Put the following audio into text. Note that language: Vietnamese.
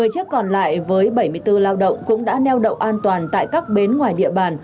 một mươi chiếc còn lại với bảy mươi bốn lao động cũng đã neo đậu an toàn tại các bến ngoài địa bàn